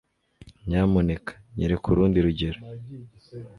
Nyamuneka nyereka urundi rugero.